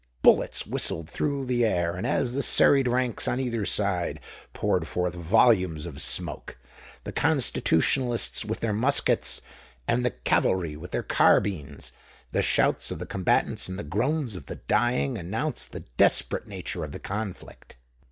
Bullets whistled through the air; and as the serried ranks on either side poured forth volumes of smoke,—the Constitutionalists with their muskets, and the cavalry with their carbines,—the shouts of the combatants and the groans of the dying announced the desperate nature of the conflict.